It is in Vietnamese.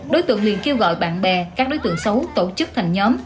đối tượng liền kêu gọi bạn bè các đối tượng xấu tổ chức thành nhóm